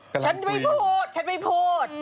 ฉันไม่พูดฉันไม่พูด